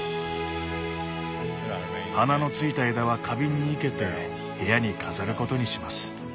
花のついた枝は花瓶に生けて部屋に飾ることにします。